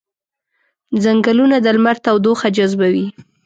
ځنګلونه د لمر تودوخه جذبوي